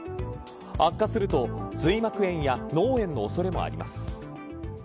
悪化すると髄膜炎や脳炎の恐れもあります。